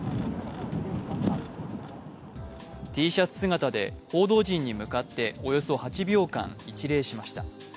Ｔシャツ姿で報道陣に向かっておよそ８秒間一礼しました。